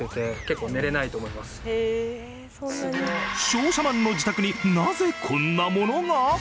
商社マンの自宅になぜこんなものが？